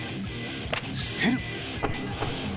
捨てる！